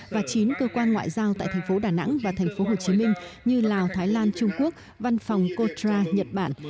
và chín cơ quan ngoại giao tại thành phố đà nẵng và thành phố hồ chí minh như lào thái lan trung quốc văn phòng cochra nhật bản